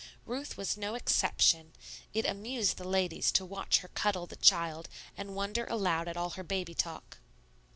Ruth was no exception; it amused the ladies to watch her cuddle the child and wonder aloud at all her baby talk.